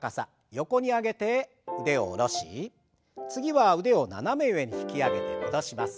横に上げて腕を下ろし次は腕を斜め上に引き上げて戻します。